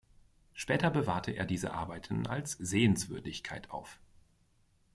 Später bewahrte er diese Arbeiten als Sehenswürdigkeit auf.